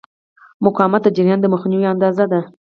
مقاومت د جریان د مخنیوي اندازه ده.